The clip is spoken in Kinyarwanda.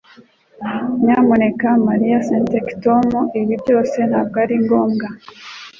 Nyamuneka, Mariyasentencedictcom, ibi byose ntabwo ari ngombwa